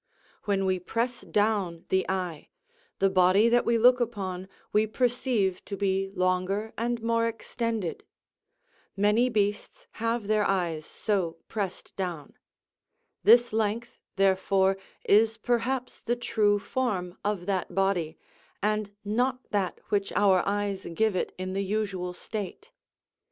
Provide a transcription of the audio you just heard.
When we press down the eye, the body that we look upon we perceive to be longer and more extended; many beasts have their eyes so pressed down; this length, therefore, is perhaps the true form of that body, and not that which our eyes give it in the usual state.